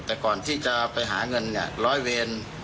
แต่ก่อนที่จะไปหาเงินเนี่ยร้อยเวร